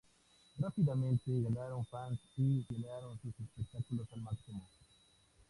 Rápidamente ganaron fans y llenaron sus espectáculos al máximo.